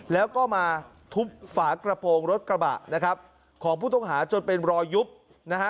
แล้วก็มาทุบฝากระโปรงรถกระบะนะครับของผู้ต้องหาจนเป็นรอยยุบนะฮะ